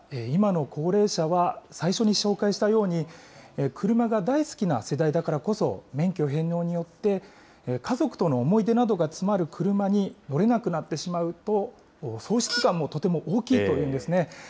今の高齢者は、最初に紹介したように、クルマが大好きな世代だからこそ、免許返納によって、家族との思い出などが詰まるクルマに乗れなくなってしまうと喪失感もとても大きいというんですね。